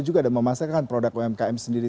juga memasarkan produk umkm sendiri